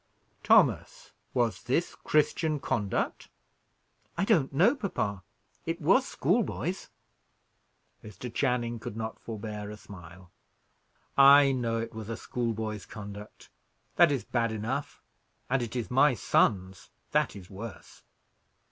"Thomas, was this Christian conduct?" "I don't know, papa. It was schoolboy's." Mr. Channing could not forbear a smile. "I know it was a schoolboy's conduct; that is bad enough: and it is my son's, that is worse."